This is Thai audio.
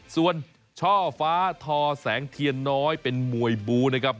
ส่วนช่อฟ้าทอแสงเทียนน้อยเป็นมวยบูนะครับ